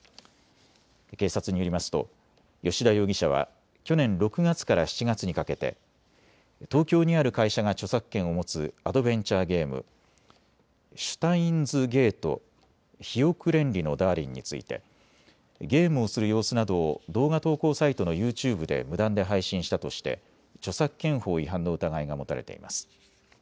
警察によりますと吉田容疑者は去年６月から７月にかけて東京にある会社が著作権を持つアドベンチャーゲーム、ＳＴＥＩＮＳ；ＧＡＴＥ比翼恋理のだーりんについてゲームをする様子などを動画投稿サイトのＹｏｕＴｕｂｅで無断で配信したとして著作権法違反の疑いが持たれています。